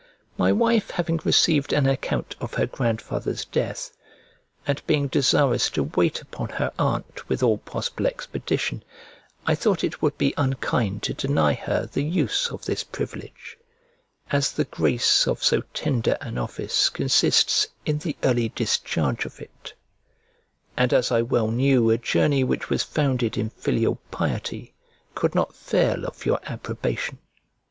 My wife having received an account of her grandfather's death, and being desirous to wait upon her aunt with all possible expedition, I thought it would be unkind to deny her the use of this privilege; as the grace of so tender an office consists in the early discharge of it, and as I well knew a journey which was founded in filial piety could not fail of your approbation.